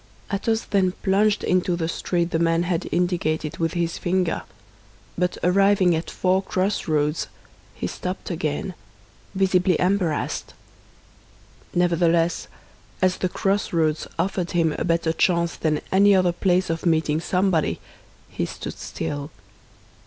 Athos then plunged into the street the man had indicated with his finger; but arriving at four crossroads, he stopped again, visibly embarrassed. Nevertheless, as the crossroads offered him a better chance than any other place of meeting somebody, he stood still.